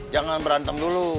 jangan berantem dulu